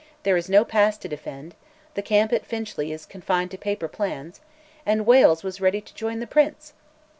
. there is no pass to defend, ... the camp at Finchley is confined to paper plans" and Wales was ready to join the Prince!